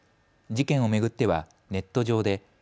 事件を巡ってはネット上で。